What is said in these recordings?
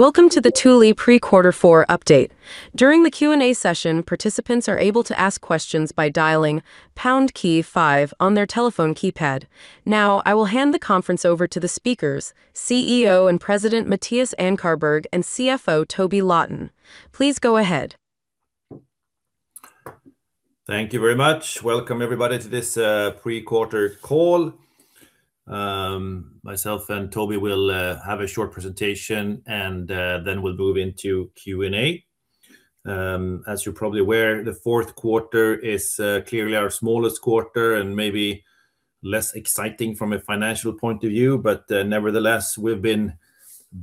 Welcome to the Thule Pre-Quarter Four update. During the Q&A session, participants are able to ask questions by dialing 5 on their telephone keypad. Now, I will hand the conference over to the speakers: CEO and President Mattias Ankarberg and CFO Toby Lawton. Please go ahead. Thank you very much. Welcome, everybody, to this pre-quarter call. Myself and Toby will have a short presentation, and then we'll move into Q&A. As you're probably aware, the fourth quarter is clearly our smallest quarter and maybe less exciting from a financial point of view, but nevertheless, we've been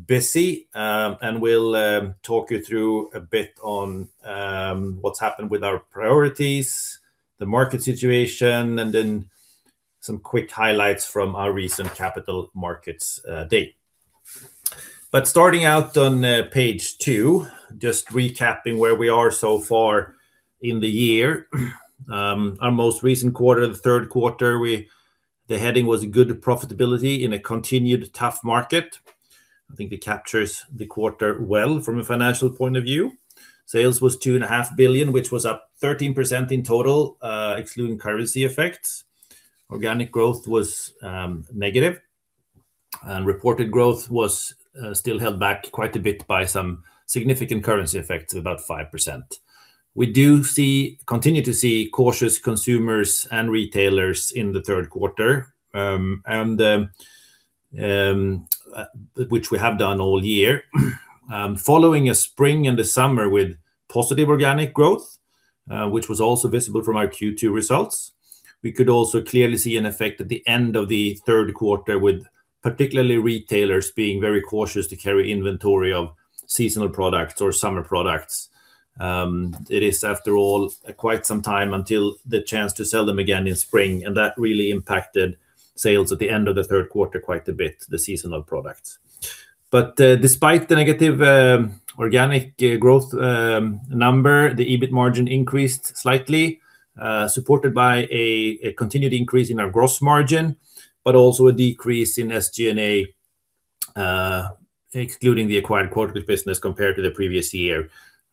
busy, and we'll talk you through a bit on what's happened with our priorities, the market situation, and then some quick highlights from our recent Capital Markets Day. But starting out on page two, just recapping where we are so far in the year, our most recent quarter, the third quarter, the heading was "Good Profitability in a Continued Tough Market." I think it captures the quarter well from a financial point of view. Sales was 2.5 billion, which was up 13% in total, excluding currency effects. Organic growth was negative, and reported growth was still held back quite a bit by some significant currency effects, about 5%. We do continue to see cautious consumers and retailers in the third quarter, which we have done all year. Following a spring and a summer with positive organic growth, which was also visible from our Q2 results, we could also clearly see an effect at the end of the third quarter, with particularly retailers being very cautious to carry inventory of seasonal products or summer products. It is, after all, quite some time until the chance to sell them again in spring, and that really impacted sales at the end of the third quarter quite a bit, the seasonal products. But despite the negative organic growth number, the EBIT margin increased slightly, supported by a continued increase in our gross margin, but also a decrease in SG&A, excluding the acquired Quad Lock business compared to the previous year.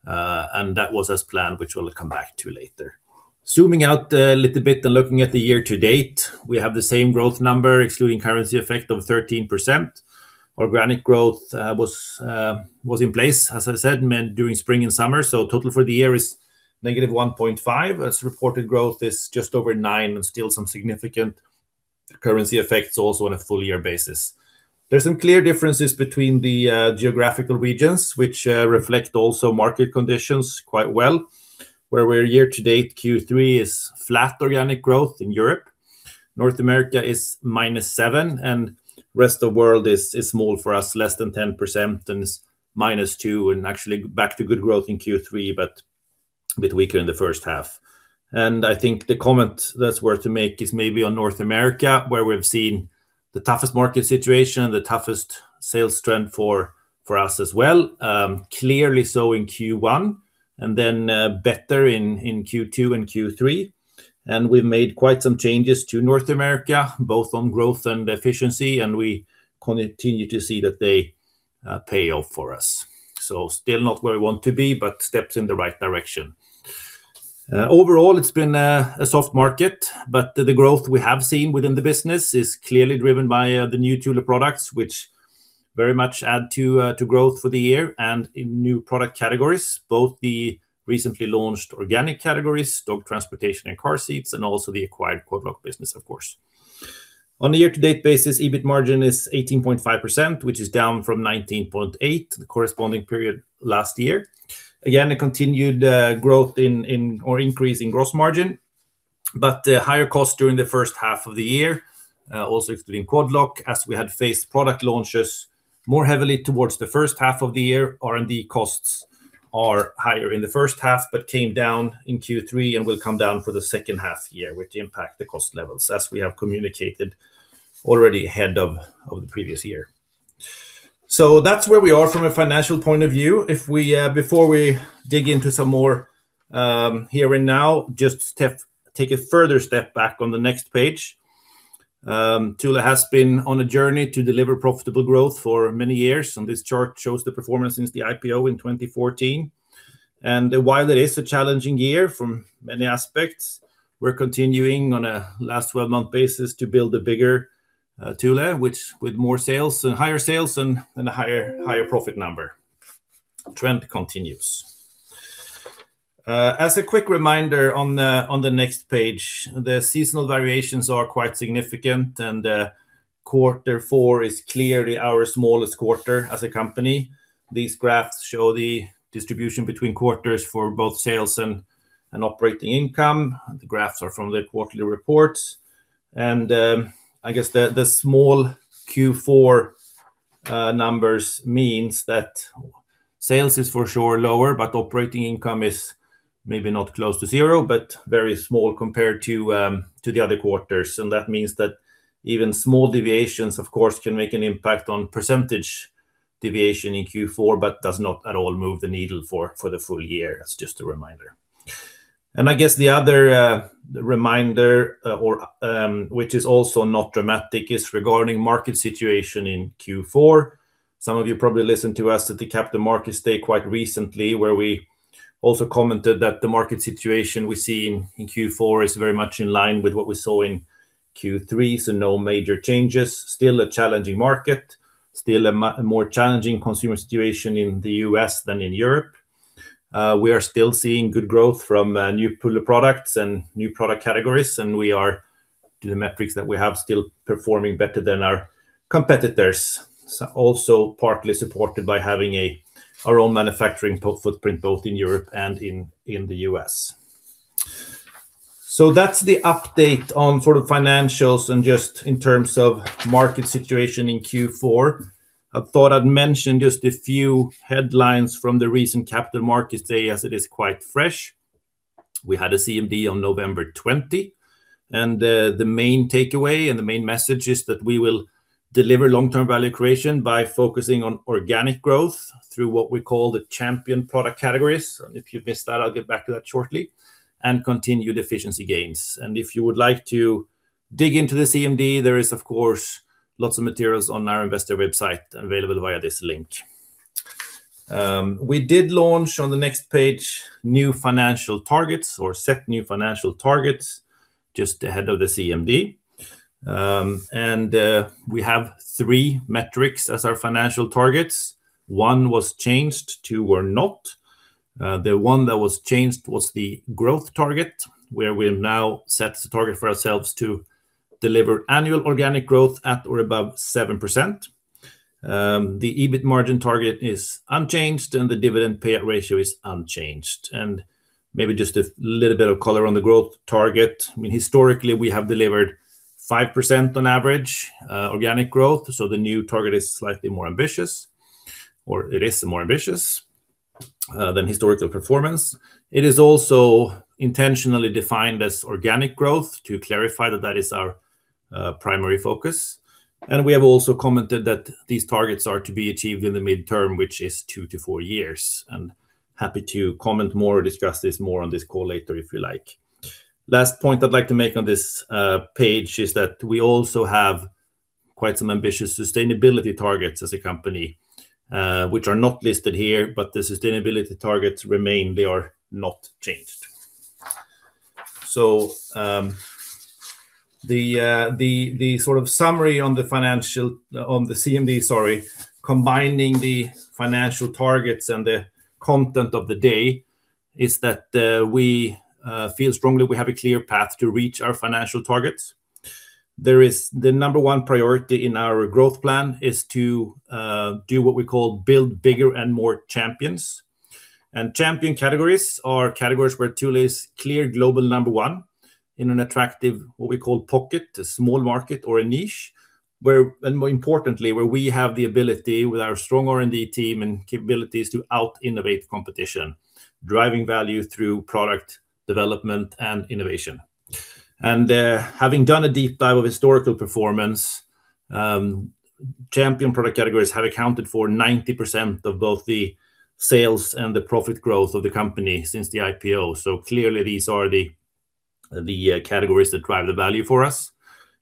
And that was as planned, which we'll come back to later. Zooming out a little bit and looking at the year to date, we have the same growth number, excluding currency effect, of 13%. Organic growth was in place, as I said, during spring and summer, so total for the year is -1.5%. As reported growth is just over 9%, and still some significant currency effects also on a full-year basis. There are some clear differences between the geographical regions, which reflect also market conditions quite well. Where we're year to date, Q3 is flat organic growth in Europe. North America is -7%, and the rest of the world is small for us, less than 10%, and it's -2%, and actually back to good growth in Q3, but a bit weaker in the first half. And I think the comment that's worth to make is maybe on North America, where we've seen the toughest market situation and the toughest sales trend for us as well, clearly so in Q1, and then better in Q2 and Q3. And we've made quite some changes to North America, both on growth and efficiency, and we continue to see that they pay off for us. So still not where we want to be, but steps in the right direction. Overall, it's been a soft market, but the growth we have seen within the business is clearly driven by the new Thule products, which very much add to growth for the year, and in new product categories, both the recently launched organic categories, dog transportation and car seats, and also the acquired Quad Lock business, of course. On a year-to-date basis, EBIT margin is 18.5%, which is down from 19.8%, the corresponding period last year. Again, a continued growth or increase in gross margin, but higher costs during the first half of the year, also excluding Quad Lock, as we had faced product launches more heavily towards the first half of the year. R&D costs are higher in the first half, but came down in Q3 and will come down for the second half year, which impact the cost levels, as we have communicated already ahead of the previous year. So that's where we are from a financial point of view. Before we dig into some more here and now, just take a further step back on the next page. Thule has been on a journey to deliver profitable growth for many years, and this chart shows the performance since the IPO in 2014. And while it is a challenging year from many aspects, we're continuing on a last 12-month basis to build a bigger Thule, which with more sales and higher sales and a higher profit number. Trend continues. As a quick reminder on the next page, the seasonal variations are quite significant, and quarter four is clearly our smallest quarter as a company. These graphs show the distribution between quarters for both sales and operating income. The graphs are from the quarterly reports. I guess the small Q4 numbers means that sales is for sure lower, but operating income is maybe not close to zero, but very small compared to the other quarters. And that means that even small deviations, of course, can make an impact on percentage deviation in Q4, but does not at all move the needle for the full year. That's just a reminder. And I guess the other reminder, which is also not dramatic, is regarding market situation in Q4. Some of you probably listened to us at the Capital Markets Day quite recently, where we also commented that the market situation we see in Q4 is very much in line with what we saw in Q3, so no major changes. Still a challenging market, still a more challenging consumer situation in the US than in Europe. We are still seeing good growth from new products and new product categories, and we are, due to the metrics that we have, still performing better than our competitors. Also partly supported by having our own manufacturing footprint both in Europe and in the US. So that's the update on sort of financials and just in terms of market situation in Q4. I thought I'd mention just a few headlines from the recent capital markets day as it is quite fresh. We had a CMD on November 20, and the main takeaway and the main message is that we will deliver long-term value creation by focusing on organic growth through what we call the champion product categories. And if you've missed that, I'll get back to that shortly, and continued efficiency gains. If you would like to dig into the CMD, there is, of course, lots of materials on our investor website available via this link. We did launch on the next page new financial targets or set new financial targets just ahead of the CMD. We have three metrics as our financial targets. One was changed, two were not. The one that was changed was the growth target, where we have now set the target for ourselves to deliver annual organic growth at or above 7%. The EBIT margin target is unchanged, and the dividend payout ratio is unchanged. Maybe just a little bit of color on the growth target. I mean, historically, we have delivered 5% on average organic growth, so the new target is slightly more ambitious, or it is more ambitious than historical performance. It is also intentionally defined as organic growth to clarify that that is our primary focus, and we have also commented that these targets are to be achieved in the midterm, which is two to four years, and happy to comment more or discuss this more on this call later if you like. Last point I'd like to make on this page is that we also have quite some ambitious sustainability targets as a company, which are not listed here, but the sustainability targets remain, they are not changed, so the sort of summary on the financial on the CMD, sorry, combining the financial targets and the content of the day is that we feel strongly we have a clear path to reach our financial targets. The number one priority in our growth plan is to do what we call build bigger and more champions. Champion categories are categories where Thule is clear global number one in an attractive, what we call pocket, a small market or a niche, and more importantly, where we have the ability with our strong R&D team and capabilities to out-innovate competition, driving value through product development and innovation. Having done a deep dive of historical performance, champion product categories have accounted for 90% of both the sales and the profit growth of the company since the IPO. Clearly, these are the categories that drive the value for us.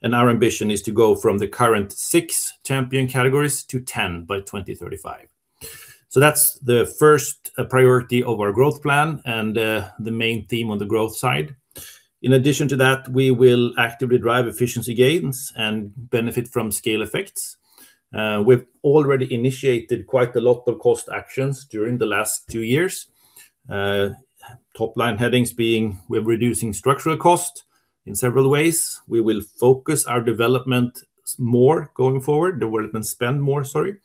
Our ambition is to go from the current six champion categories to 10 by 2035. That's the first priority of our growth plan and the main theme on the growth side. In addition to that, we will actively drive efficiency gains and benefit from scale effects. We've already initiated quite a lot of cost actions during the last two years. Top-line headings being we're reducing structural cost in several ways. We will focus our development more going forward, development spend more, sorry,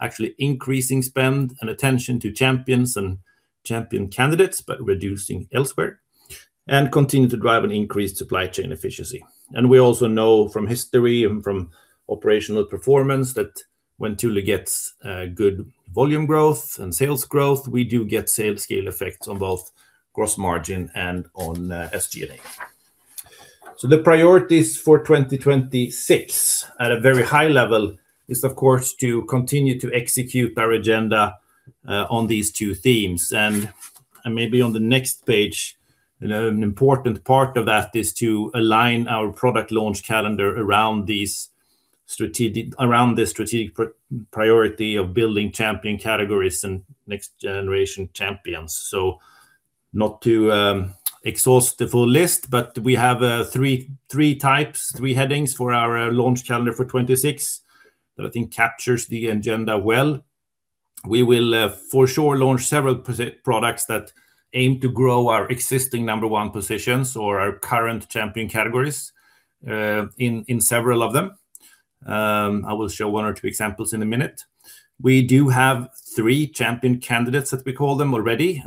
actually increasing spend and attention to champions and champion candidates, but reducing elsewhere, and continue to drive an increased supply chain efficiency. And we also know from history and from operational performance that when Thule gets good volume growth and sales growth, we do get sales scale effects on both gross margin and on SG&A. So the priorities for 2026 at a very high level is, of course, to continue to execute our agenda on these two themes. And maybe on the next page, an important part of that is to align our product launch calendar around the strategic priority of building champion categories and next-generation champions. So not to exhaust the full list, but we have three types, three headings for our launch calendar for 2026 that I think captures the agenda well. We will for sure launch several products that aim to grow our existing number one positions or our current champion categories in several of them. I will show one or two examples in a minute. We do have three champion candidates, as we call them already,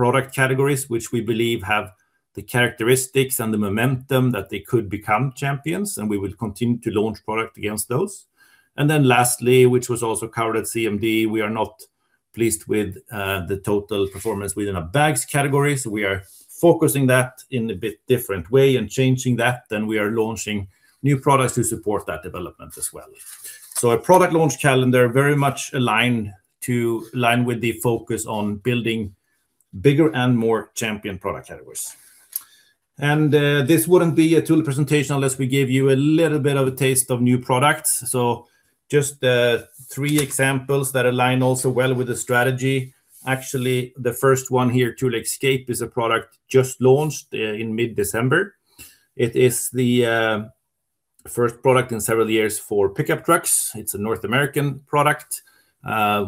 and product categories which we believe have the characteristics and the momentum that they could become champions, and we will continue to launch product against those. And then lastly, which was also covered at CMD, we are not pleased with the total performance within our bags categories. We are focusing that in a bit different way and changing that, and we are launching new products to support that development as well. A product launch calendar very much aligned with the focus on building bigger and more champion product categories. This wouldn't be a Thule presentation unless we give you a little bit of a taste of new products. Just three examples that align also well with the strategy. Actually, the first one here, Thule Xcap, is a product just launched in mid-December. It is the first product in several years for pickup trucks. It's a North American product,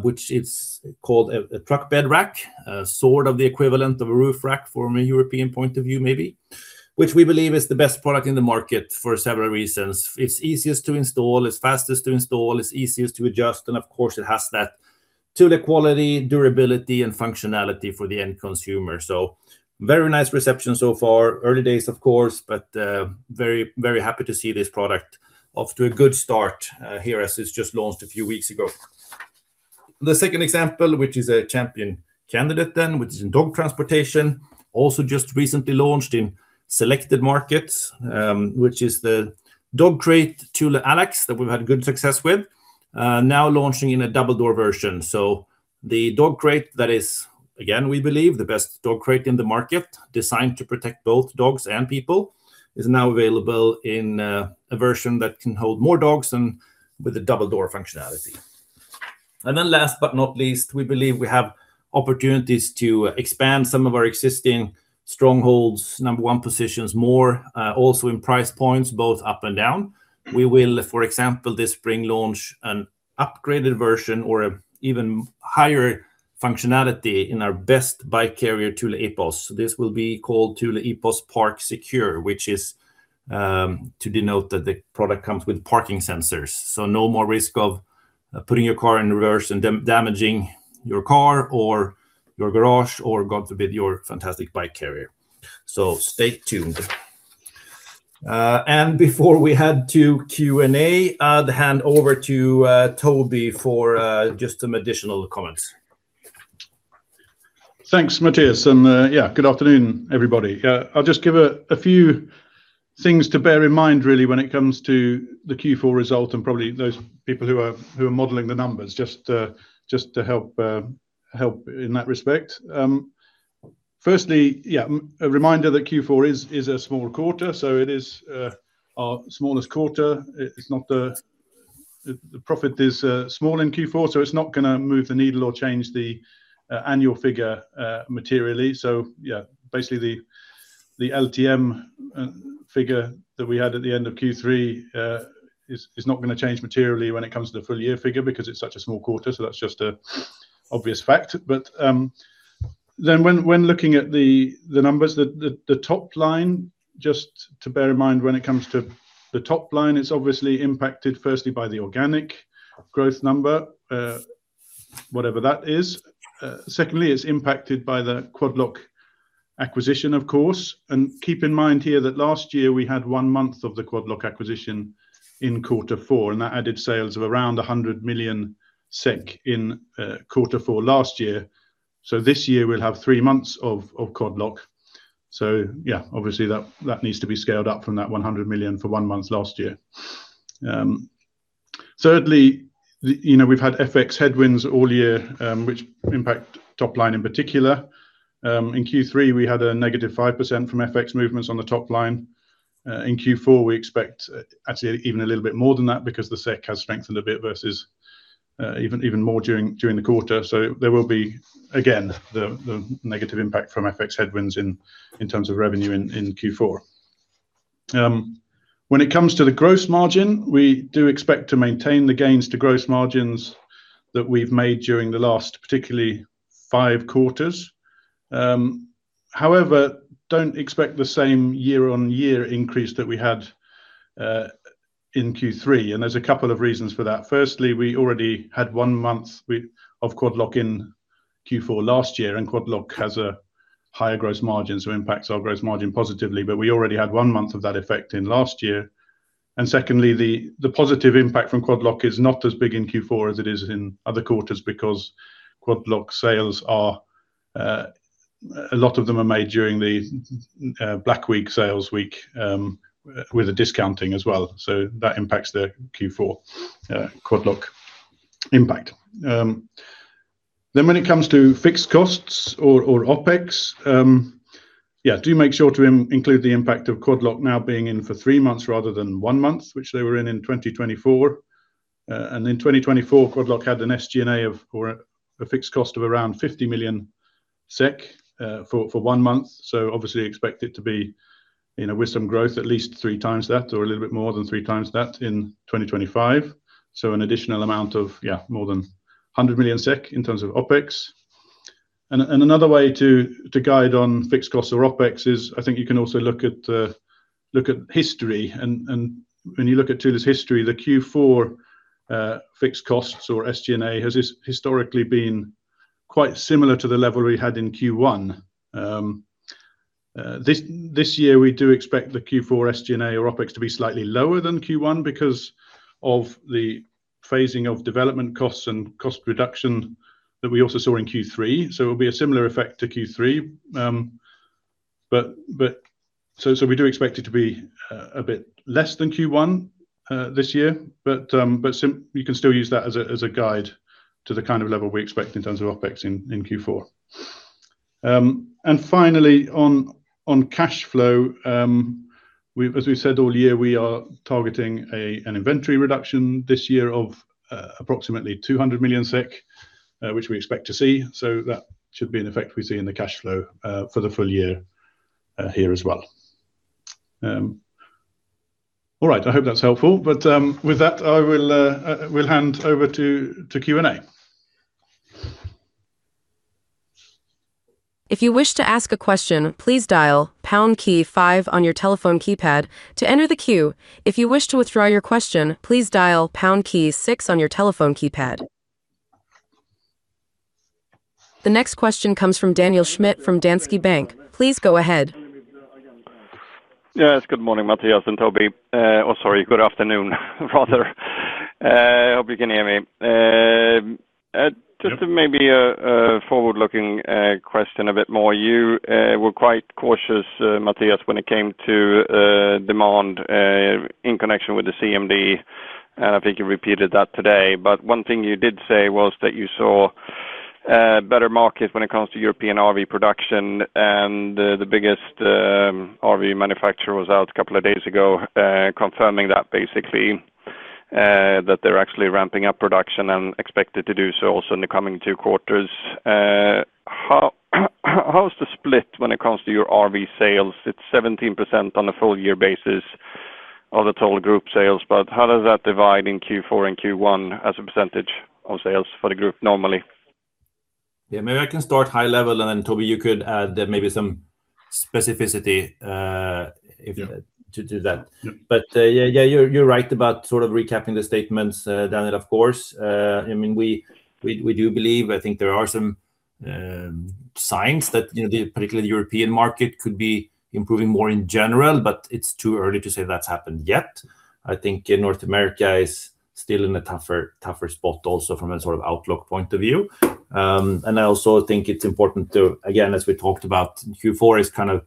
which is called a truck bed rack, sort of the equivalent of a roof rack from a European point of view, maybe, which we believe is the best product in the market for several reasons. It's easiest to install, it's fastest to install, it's easiest to adjust, and of course, it has that Thule quality, durability, and functionality for the end consumer. So very nice reception so far, early days, of course, but very, very happy to see this product off to a good start here as it's just launched a few weeks ago. The second example, which is a champion candidate then, which is in dog transportation, also just recently launched in selected markets, which is the dog crate Thule Allax that we've had good success with, now launching in a double door version. So the dog crate that is, again, we believe, the best dog crate in the market, designed to protect both dogs and people, is now available in a version that can hold more dogs and with a double door functionality. And then last but not least, we believe we have opportunities to expand some of our existing strongholds, number one positions more, also in price points, both up and down. We will, for example, this spring launch an upgraded version or even higher functionality in our best bike carrier, Thule Epos. This will be called Thule Epos Park Secure, which is to denote that the product comes with parking sensors, so no more risk of putting your car in reverse and damaging your car or your garage or, God forbid, your fantastic bike carrier, so stay tuned, and before we head to Q&A, I'll hand over to Toby for just some additional comments. Thanks, Mattias, and yeah, good afternoon, everybody. I'll just give a few things to bear in mind, really, when it comes to the Q4 result and probably those people who are modeling the numbers, just to help in that respect. Firstly, yeah, a reminder that Q4 is a small quarter, so it is our smallest quarter. The profit is small in Q4, so it's not going to move the needle or change the annual figure materially, so yeah, basically the LTM figure that we had at the end of Q3 is not going to change materially when it comes to the full year figure because it's such a small quarter, so that's just an obvious fact, but then when looking at the numbers, the top line, just to bear in mind when it comes to the top line, it's obviously impacted firstly by the organic growth number, whatever that is, secondly, it's impacted by the Quad Lock acquisition, of course, and keep in mind here that last year we had one month of the Quad Lock acquisition in quarter four, and that added sales of around 100 million SEK in quarter four last year, so this year we'll have three months of Quad Lock. So yeah, obviously that needs to be scaled up from that 100 million for one month last year. Thirdly, we've had FX headwinds all year, which impact top line in particular. In Q3, we had a negative 5% from FX movements on the top line. In Q4, we expect actually even a little bit more than that because the SEK has strengthened a bit versus even more during the quarter. So there will be, again, the negative impact from FX headwinds in terms of revenue in Q4. When it comes to the gross margin, we do expect to maintain the gains to gross margins that we've made during the last particularly five quarters. However, don't expect the same year-on-year increase that we had in Q3. And there's a couple of reasons for that. Firstly, we already had one month of Quad Lock in Q4 last year, and Quad Lock has a higher gross margin, so it impacts our gross margin positively, but we already had one month of that effect in last year. And secondly, the positive impact from Quad Lock is not as big in Q4 as it is in other quarters because Quad Lock sales, a lot of them, are made during the Black Week sales week with discounting as well. So that impacts the Q4 Quad Lock impact. Then when it comes to fixed costs or OPEX, yeah, do make sure to include the impact of Quad Lock now being in for three months rather than one month, which they were in 2024. And in 2024, Quad Lock had an SG&A of a fixed cost of around 50 million SEK for one month. Obviously expect it to be with some growth at least three times that or a little bit more than three times that in 2025. So an additional amount of, yeah, more than 100 million SEK in terms of OPEX. And another way to guide on fixed costs or OPEX is I think you can also look at history. And when you look at Thule's history, the Q4 fixed costs or SG&A has historically been quite similar to the level we had in Q1. This year, we do expect the Q4 SG&A or OPEX to be slightly lower than Q1 because of the phasing of development costs and cost reduction that we also saw in Q3. So it will be a similar effect to Q3. So we do expect it to be a bit less than Q1 this year, but you can still use that as a guide to the kind of level we expect in terms of OPEX in Q4. And finally, on cash flow, as we said all year, we are targeting an inventory reduction this year of approximately 200 million SEK, which we expect to see. So that should be an effect we see in the cash flow for the full year here as well. All right, I hope that's helpful. But with that, I will hand over to Q&A. If you wish to ask a question, please dial pound key five on your telephone keypad to enter the queue. If you wish to withdraw your question, please dial pound key six on your telephone keypad. The next question comes from Daniel Schmidt from Danske Bank. Please go ahead. Yes, good morning, Mattias and Toby. Or sorry, good afternoon, rather. I hope you can hear me. Just maybe a forward-looking question a bit more. You were quite cautious, Mattias, when it came to demand in connection with the CMD, and I think you repeated that today. But one thing you did say was that you saw better markets when it comes to European RV production, and the biggest RV manufacturer was out a couple of days ago confirming that basically that they're actually ramping up production and expected to do so also in the coming two quarters. How's the split when it comes to your RV sales? It's 17% on a full year basis of the total group sales, but how does that divide in Q4 and Q1 as a percentage of sales for the group normally? Yeah, maybe I can start high level, and then Toby, you could add maybe some specificity to that. But yeah, you're right about sort of recapping the statements, Daniel, of course. I mean, we do believe, I think there are some signs that the particular European market could be improving more in general, but it's too early to say that's happened yet. I think North America is still in a tougher spot also from a sort of outlook point of view, and I also think it's important to, again, as we talked about, Q4 is kind of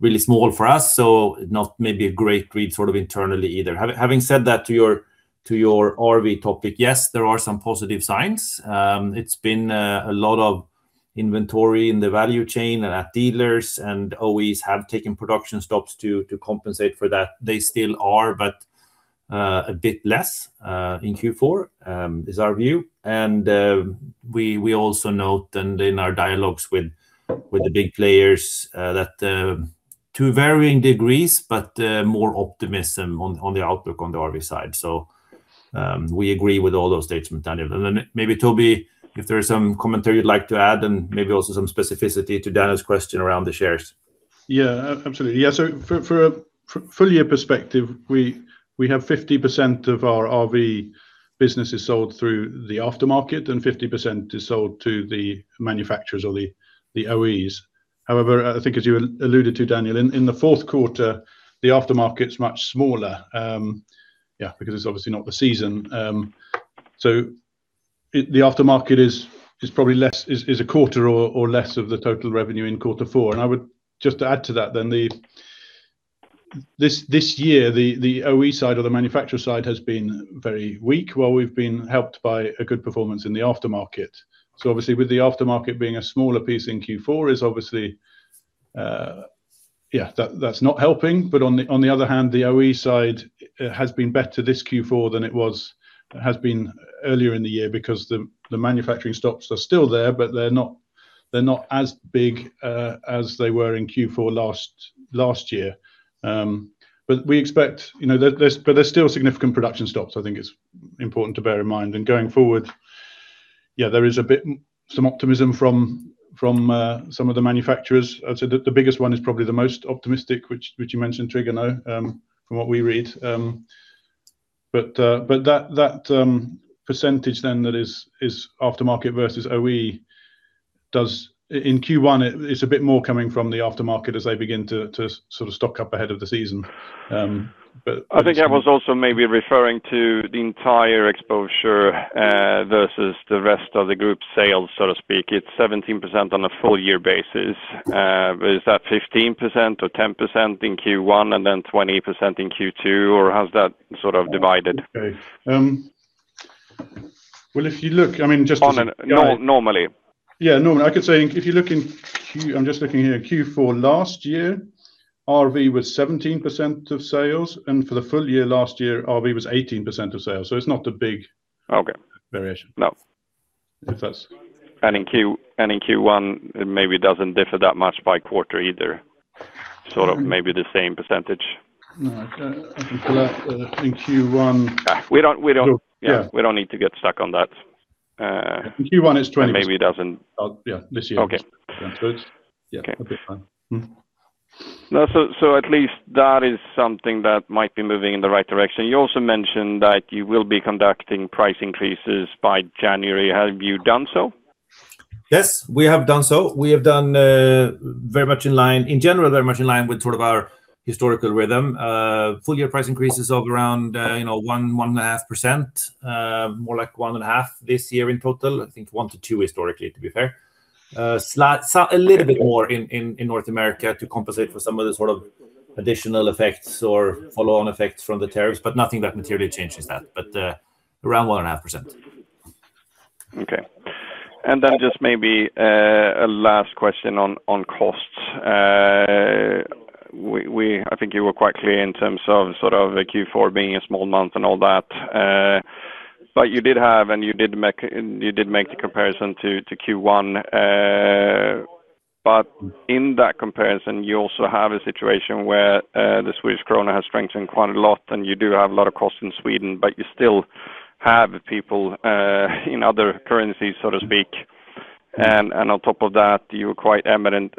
really small for us, so not maybe a great read sort of internally either. Having said that, to your RV topic, yes, there are some positive signs. It's been a lot of inventory in the value chain and at dealers, and OEs have taken production stops to compensate for that. They still are, but a bit less in Q4 is our view. And we also note in our dialogues with the big players that to varying degrees, but more optimism on the outlook on the RV side. So we agree with all those statements, Daniel. And then maybe Toby, if there's some commentary you'd like to add and maybe also some specificity to Daniel's question around the shares. Yeah, absolutely. Yeah, so for a full year perspective, we have 50% of our RV businesses sold through the aftermarket, and 50% is sold to the manufacturers or the OEs. However, I think as you alluded to, Daniel, in the fourth quarter, the aftermarket's much smaller, yeah, because it's obviously not the season. So the aftermarket is probably less, is a quarter or less of the total revenue in quarter four. And I would just add to that then this year, the OE side or the manufacturer side has been very weak, while we've been helped by a good performance in the aftermarket. So obviously, with the aftermarket being a smaller piece in Q4, it's obviously, yeah, that's not helping. But on the other hand, the OE side has been better this Q4 than it was, has been earlier in the year because the manufacturing stops are still there, but they're not as big as they were in Q4 last year. But we expect, but there's still significant production stops, I think it's important to bear in mind. And going forward, yeah, there is a bit some optimism from some of the manufacturers. I'd say the biggest one is probably the most optimistic, which you mentioned, Trigano, from what we read. But that percentage then that is aftermarket versus OE, in Q1, it's a bit more coming from the aftermarket as they begin to sort of stock up ahead of the season. I think I was also maybe referring to the entire exposure versus the rest of the group sales, so to speak. It's 17% on a full year basis. Is that 15% or 10% in Q1 and then 20% in Q2, or how's that sort of divided? Well, if you look, I mean, just. Normally. Yeah, normally. I could say if you look in Q, I'm just looking here, Q4 last year, RV was 17% of sales, and for the full year last year, RV was 18% of sales. So it's not a big variation. In Q1, maybe it doesn't differ that much by quarter either, sort of maybe the same percentage. No, I can pull up in Q1. We don't need to get stuck on that. Q1 is 20. Maybe it doesn't. Yeah, this year. Okay. Yeah, that'd be fine. So at least that is something that might be moving in the right direction. You also mentioned that you will be conducting price increases by January. Have you done so? Yes, we have done so. We have done very much in line, in general, very much in line with sort of our historical rhythm. Full year price increases of around 1-1.5%, more like 1.5% this year in total. I think 1-2% historically, to be fair. A little bit more in North America to compensate for some of the sort of additional effects or follow-on effects from the tariffs, but nothing that materially changes that, but around 1.5%. Okay. And then just maybe a last question on costs. I think you were quite clear in terms of sort of Q4 being a small month and all that. But you did have, and you did make the comparison to Q1. But in that comparison, you also have a situation where the Swedish krona has strengthened quite a lot, and you do have a lot of costs in Sweden, but you still have people in other currencies, so to speak. And on top of that, you were quite adamant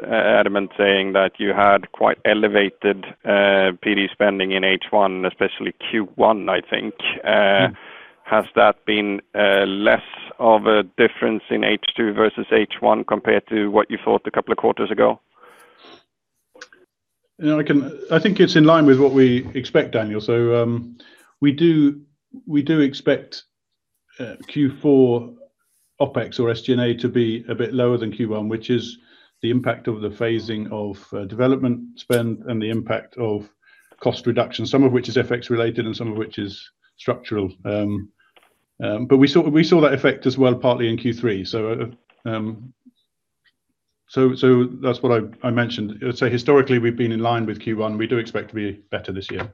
saying that you had quite elevated PD spending in H1, especially Q1, I think. Has that been less of a difference in H2 versus H1 compared to what you thought a couple of quarters ago? I think it's in line with what we expect, Daniel. So we do expect Q4 OPEX or SG&A to be a bit lower than Q1, which is the impact of the phasing of development spend and the impact of cost reduction, some of which is FX related and some of which is structural. But we saw that effect as well, partly in Q3. So that's what I mentioned. I'd say historically, we've been in line with Q1. We do expect to be better this year.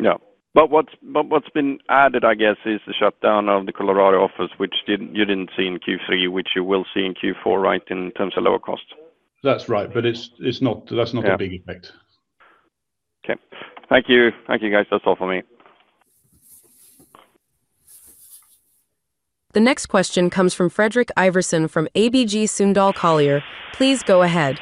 Yeah, but what's been added, I guess, is the shutdown of the Colorado office, which you didn't see in Q3, which you will see in Q4, right, in terms of lower costs? That's right, but that's not a big effect. Okay. Thank you. Thank you, guys. That's all for me. The next question comes from Fredrik Ivarsson from ABG Sundal Collier. Please go ahead.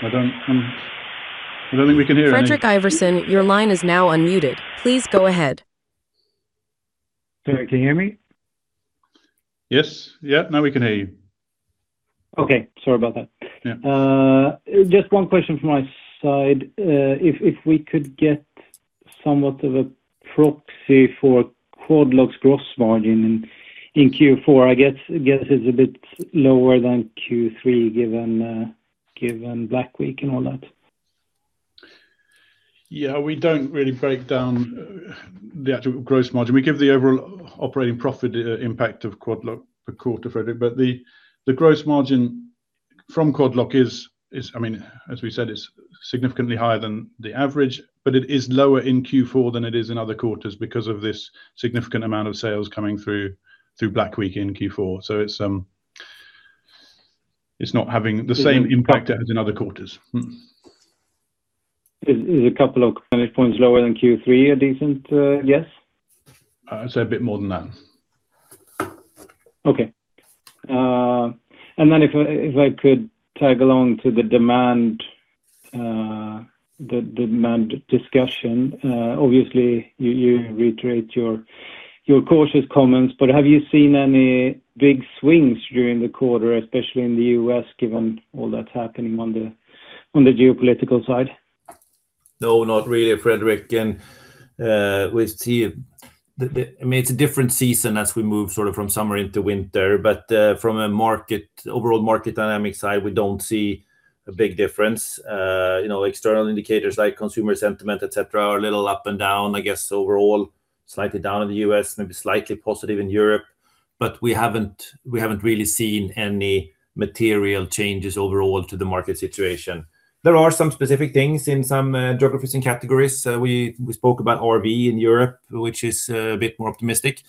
I don't think we can hear you. Fredrik Ivarsson, your line is now unmuted. Please go ahead. Can you hear me? Yes. Yeah, now we can hear you. Okay. Sorry about that. Just one question from my side. If we could get somewhat of a proxy for Quad Lock's gross margin in Q4, I guess it's a bit lower than Q3 given Black Week and all that. Yeah, we don't really break down the actual gross margin. We give the overall operating profit impact of Quad Lock per quarter, Fredrik, but the gross margin from Quad Lock is, I mean, as we said, it's significantly higher than the average, but it is lower in Q4 than it is in other quarters because of this significant amount of sales coming through Black Week in Q4. So it's not having the same impact as in other quarters. Is a couple of margin points lower than Q3 a decent guess? I'd say a bit more than that. Okay. And then if I could tag along to the demand discussion, obviously, you reiterate your cautious comments, but have you seen any big swings during the quarter, especially in the U.S., given all that's happening on the geopolitical side? No, not really, Fredrik. I mean, it's a different season as we move sort of from summer into winter, but from an overall market dynamic side, we don't see a big difference. External indicators like consumer sentiment, etc., are a little up and down, I guess, overall, slightly down in the U.S., maybe slightly positive in Europe, but we haven't really seen any material changes overall to the market situation. There are some specific things in some geographies and categories. We spoke about RV in Europe, which is a bit more optimistic,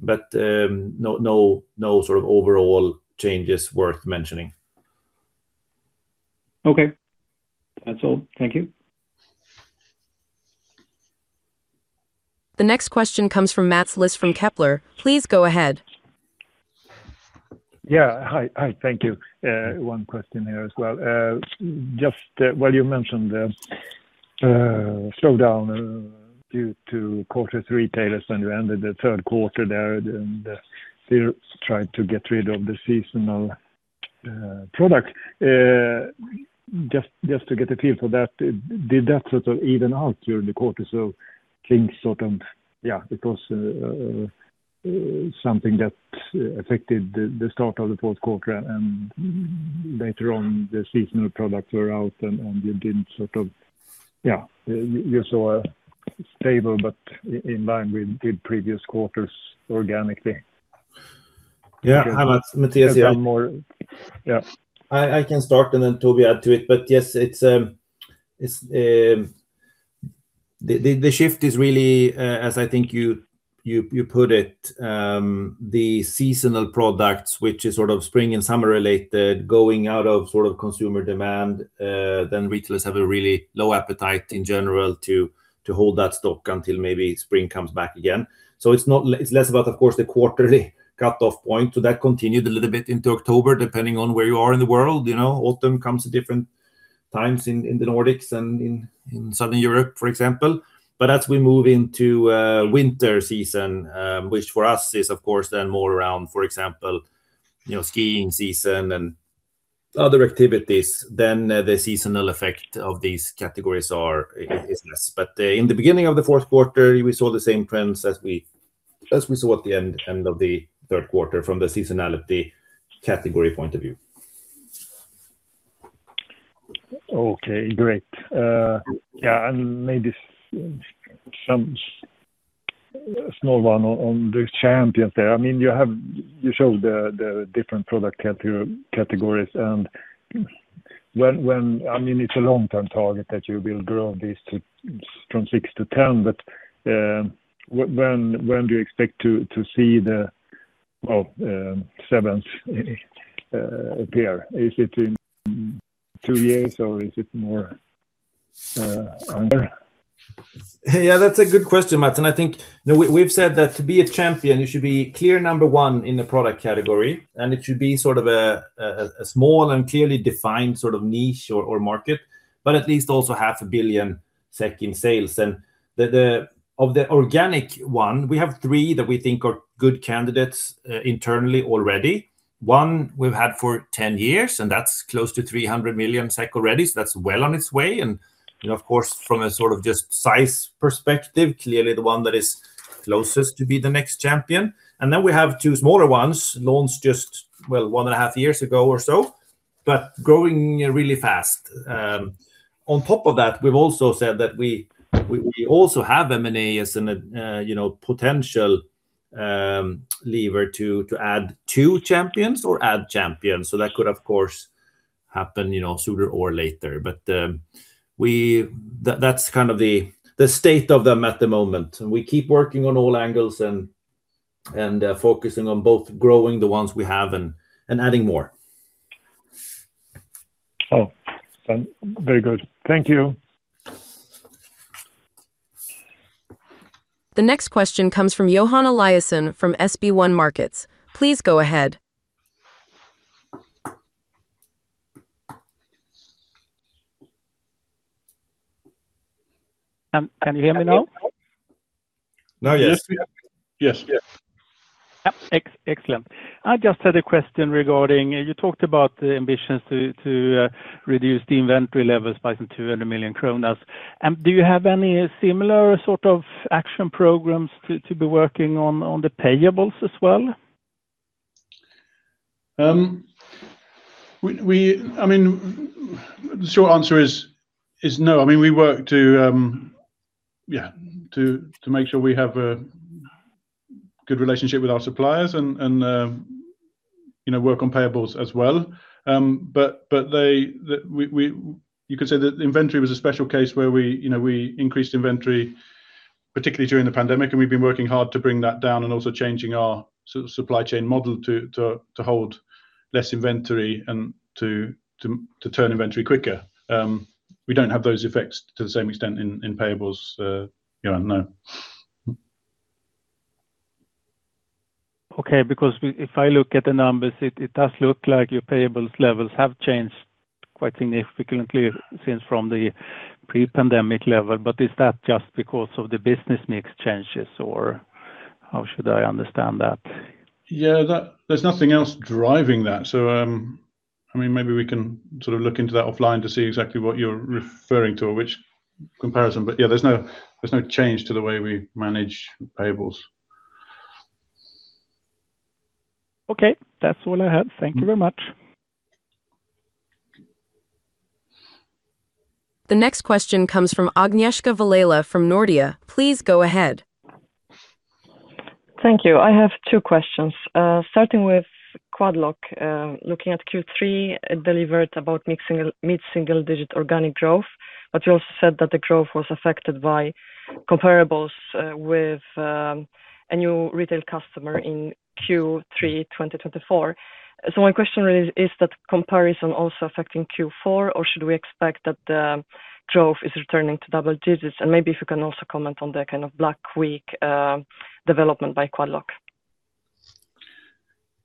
but no sort of overall changes worth mentioning. Okay. That's all. Thank you. The next question comes from Mats Liss from Kepler. Please go ahead. Yeah. Hi, thank you. One question here as well. Just while you mentioned the slowdown due to quarter three retailers when you ended the third quarter there, and they tried to get rid of the seasonal product. Just to get a feel for that, did that sort of even out during the quarter? So things sort of, yeah, it was something that affected the start of the fourth quarter, and later on, the seasonal products were out, and you didn't sort of, yeah, you saw a stable but in line with previous quarters organically. Yeah. Mattias, yeah. I can start, and then Toby add to it. But yes, the shift is really, as I think you put it, the seasonal products, which is sort of spring and summer related, going out of sort of consumer demand. Then retailers have a really low appetite in general to hold that stock until maybe spring comes back again. So it's less about, of course, the quarterly cutoff point. So that continued a little bit into October, depending on where you are in the world. Autumn comes at different times in the Nordics and in Southern Europe, for example. But as we move into winter season, which for us is, of course, then more around, for example, skiing season and other activities, then the seasonal effect of these categories is less. But in the beginning of the fourth quarter, we saw the same trends as we saw at the end of the third quarter from the seasonality category point of view. Okay. Great. Yeah. And maybe some small one on the champions there. I mean, you showed the different product categories, and I mean, it's a long-term target that you will grow these from six to 10, but when do you expect to see the sevens appear? Is it in two years, or is it more? Yeah, that's a good question, Matt. And I think we've said that to be a champion, you should be clear number one in the product category, and it should be sort of a small and clearly defined sort of niche or market, but at least also 500 million SEK in sales. And of the organic one, we have three that we think are good candidates internally already. One we've had for 10 years, and that's close to 300 million SEK already, so that's well on its way. And of course, from a sort of just size perspective, clearly the one that is closest to be the next champion. And then we have two smaller ones launched just, well, one and a half years ago or so, but growing really fast. On top of that, we've also said that we also have M&A as a potential lever to add two champions or add champions. So that could, of course, happen sooner or later, but that's kind of the state of them at the moment. We keep working on all angles and focusing on both growing the ones we have and adding more. Oh, very good. Thank you. The next question comes from Johan Eliason from SB1 Markets. Please go ahead. Can you hear me now? Now, yes. Yes. Excellent. I just had a question regarding you talked about the ambitions to reduce the inventory levels by some 200 million kronor. Do you have any similar sort of action programs to be working on the payables as well? I mean, the short answer is no. I mean, we work to, yeah, to make sure we have a good relationship with our suppliers and work on payables as well. But you could say that inventory was a special case where we increased inventory, particularly during the pandemic, and we've been working hard to bring that down and also changing our supply chain model to hold less inventory and to turn inventory quicker. We don't have those effects to the same extent in payables, Johan, no. Okay. Because if I look at the numbers, it does look like your payables levels have changed quite significantly since from the pre-pandemic level, but is that just because of the business mix changes, or how should I understand that? Yeah, there's nothing else driving that. So I mean, maybe we can sort of look into that offline to see exactly what you're referring to, which comparison, but yeah, there's no change to the way we manage payables. Okay. That's all I have. Thank you very much. The next question comes from Agnieszka Vilela from Nordea. Please go ahead. Thank you. I have two questions. Starting with Quad Lock, looking at Q3, it delivered about mid-single-digit organic growth, but you also said that the growth was affected by comparables with a new retail customer in Q3 2024. So my question really is, is that comparison also affecting Q4, or should we expect that the growth is returning to double digits? And maybe if you can also comment on the kind of Black Week development by Quad Lock.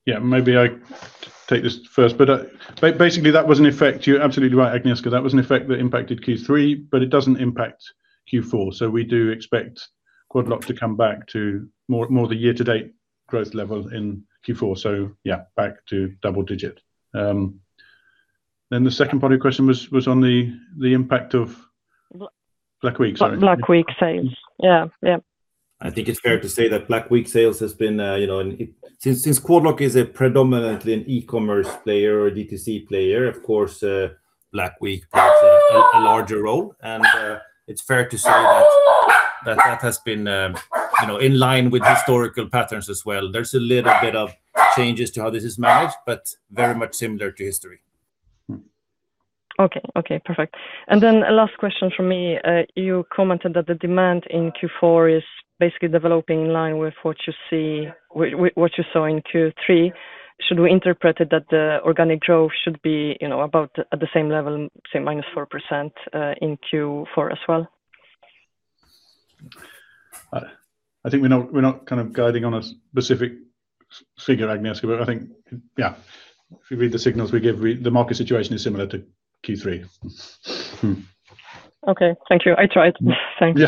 Yeah, maybe I take this first, but basically, that was an effect. You're absolutely right, Agnieszka. That was an effect that impacted Q3, but it doesn't impact Q4. We do expect Quad Lock to come back to more of the year-to-date growth level in Q4. Yeah, back to double digit. The second part of your question was on the impact of Black Week, sorry. Black Week sales. Yeah, yeah. I think it's fair to say that Black Week sales has been since Quad Lock is predominantly an e-commerce player or a DTC player, of course, Black Week plays a larger role, and it's fair to say that that has been in line with historical patterns as well. There's a little bit of changes to how this is managed, but very much similar to history. Okay. Okay. Perfect. And then last question for me. You commented that the demand in Q4 is basically developing in line with what you saw in Q3. Should we interpret it that the organic growth should be about at the same level, say, minus 4% in Q4 as well? I think we're not kind of guiding on a specific figure, Agnieszka, but I think, yeah, if you read the signals we give, the market situation is similar to Q3. Okay. Thank you. I tried. Thanks.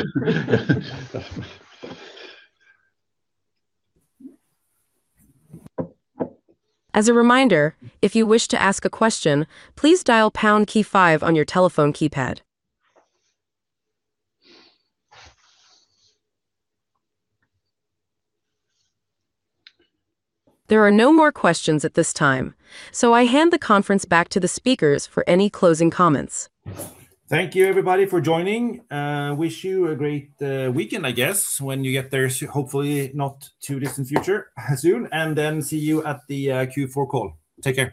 As a reminder, if you wish to ask a question, please dial pound key five on your telephone keypad. There are no more questions at this time, so I hand the conference back to the speakers for any closing comments. Thank you, everybody, for joining. Wish you a great weekend, I guess, when you get there, hopefully, not too distant future soon, and then see you at the Q4 call. Take care.